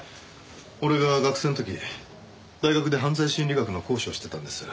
俺が学生の時大学で犯罪心理学の講師をしてたんです。